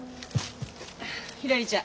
ひらりちゃん